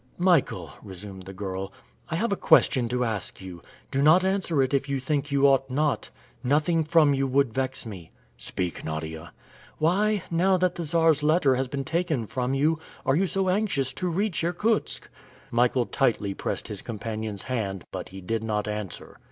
"Michael," resumed the girl, "I have a question to ask you. Do not answer it if you think you ought not. Nothing from you would vex me!" "Speak, Nadia." "Why, now that the Czar's letter has been taken from you, are you so anxious to reach Irkutsk?" Michael tightly pressed his companion's hand, but he did not answer.